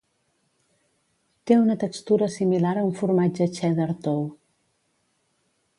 Té una textura similar a un formatge cheddar tou.